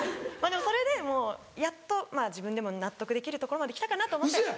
でもそれでもうやっと自分でも納得できるところまで来たかなと思って。